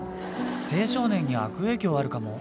青少年に悪影響あるかも。